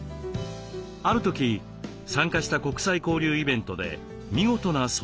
ある時参加した国際交流イベントで見事な装飾を目にします。